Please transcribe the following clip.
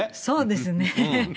そうですね。